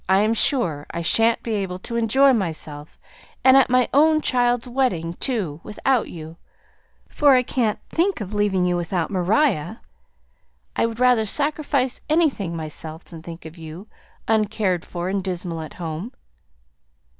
I'm sure I shan't be able to enjoy myself and at my only child's wedding too without you; for I can't think of leaving you without Maria. I would rather sacrifice anything myself than think of you, uncared for, and dismal at home."